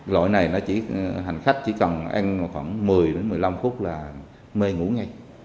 lỗi này hành khách chỉ cần anh khoảng một mươi một mươi năm phút là mê ngủ ngay